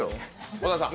小田さん